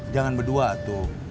jangan berdua tuh